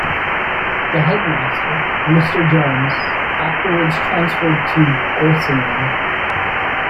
The Headmaster, Mr. Jones, afterwards transferred to Gorseinon.